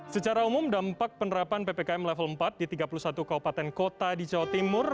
sebenarnya penerbangan ppkm level empat di tiga puluh satu kawupaten kota di jawa timur